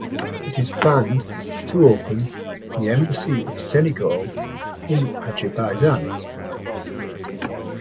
It is planned to open the Embassy of Senegal in Azerbaijan.